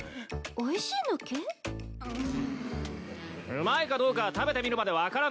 うまいかどうかは食べてみるまで分からない。